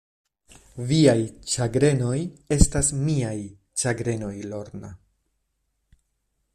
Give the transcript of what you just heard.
Viaj ĉagrenoj estas miaj ĉagrenoj, Lorna.